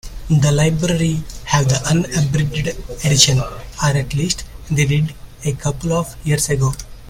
The library have the unabridged edition, or at least they did a couple of years ago.